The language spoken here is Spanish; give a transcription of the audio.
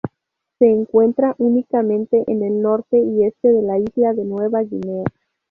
Se encuentra únicamente en el norte y este de la isla de Nueva Guinea.